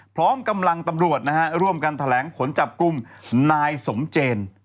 พร้อมกำลังตำรวจนะฮะร่วมกันแถลงผลจับกลุ่มนายสมเจน